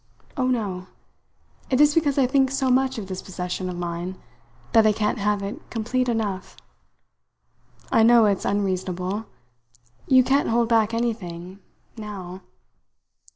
Oh, no! It is because I think so much of this possession of mine that I can't have it complete enough. I know it's unreasonable. You can't hold back anything now."